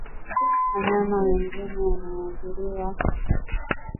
Wanyama wengine wanaoathiriwa